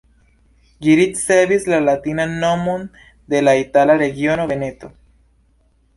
Ĝi ricevis la latinan nomon de la itala regiono Veneto.